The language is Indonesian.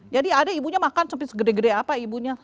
jadi ada ibunya makan sampai segede gede apa ibunya